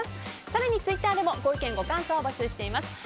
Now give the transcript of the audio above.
更にツイッターでもご意見、ご感想を募集しています。